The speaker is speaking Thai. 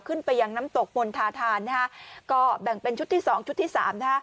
ขึ้นไปยังน้ำตกมณฑาธานนะฮะก็แบ่งเป็นชุดที่สองชุดที่สามนะฮะ